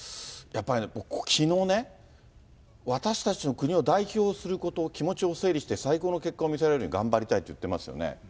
やっぱり、きのうね、私たちの国を代表すること、気持ちを整理して最高の結果を見せられるように頑張りたいって言ってますよね。